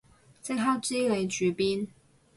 即刻知你住邊